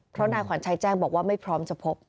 เพราะนายขวัญชัยแจ้งบอกว่าไม่พร้อมจะพบ